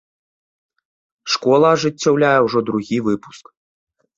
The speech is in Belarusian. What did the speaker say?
Школа ажыццяўляе ўжо другі выпуск.